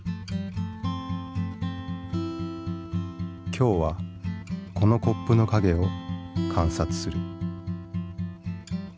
今日はこのコップの影を観察する。